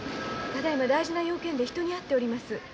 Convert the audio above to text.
ただいま大事な用件で人に会っております。